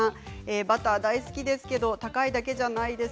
バター大好きですけど高いだけじゃないです。